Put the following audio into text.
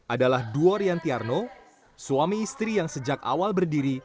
adalah duo riantiarno suami istri yang sejak awal berdiri